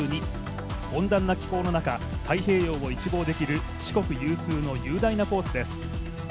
温暖な気候の中太平洋を一望できる四国有数の雄大なコースです。